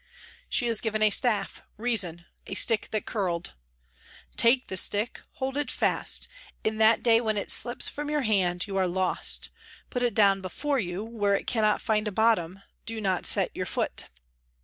She is given a staff, Reason, ' a stick that curled.' ' Take this stick, hold it fast. In that day when it slips from your hand you are lost. Put it down before you, where it cannot find a bottom, do not set your foot.'